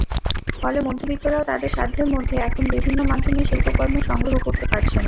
ফলে মধ্যবিত্তরাও তাদের সাধ্যের মধ্যে এখন বিভিন্ন মাধ্যমের শিল্পকর্ম সংগ্রহ করতে পারছেন।